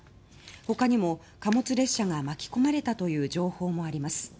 他にも、貨物列車が巻き込まれたという情報もあります。